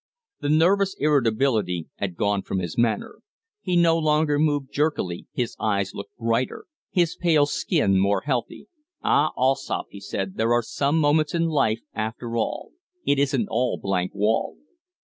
The nervous irritability had gone from his manner. He no longer moved jerkily, his eyes looked brighter, his pale skin more healthy. "Ah, Allsopp," he said, "there are some moments in life, after all. It isn't all blank wall."